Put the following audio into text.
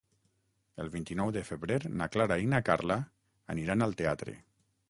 El vint-i-nou de febrer na Clara i na Carla aniran al teatre.